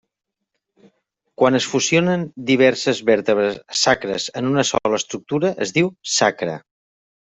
Quan es fusionen diverses vèrtebres sacres en una sola estructura es diu sacre.